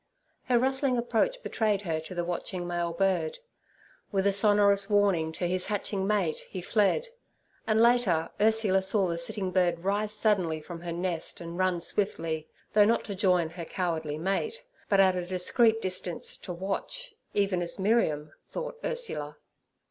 Her rustling approach betrayed her to the watching male bird. With a sonorous warning to his hatching mate, he fled, and later Ursula saw the sitting bird rise suddenly from her nest and run swiftly, though not to join her cowardly mate, but at a discreet distance to watch, even as Miriam, thought Ursula.